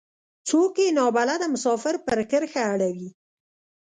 څوک يې نا بلده مسافر پر کرښه اړوي.